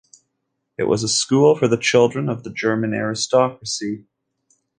It was a school for the children of the German aristocracy.